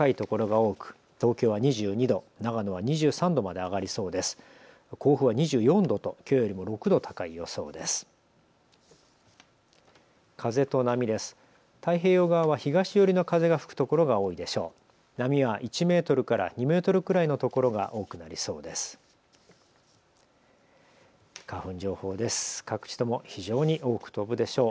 太平洋側は東寄りの風が吹くところが多いでしょう。